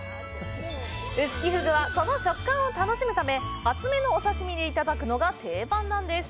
臼杵ふぐは、その食感を楽しむため厚めのお刺身でいただくのが定番なんです。